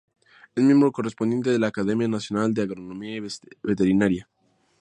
Es Miembro Correspondiente de la Academia Nacional de Agronomía y Veterinaria.